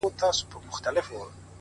او وژاړمه _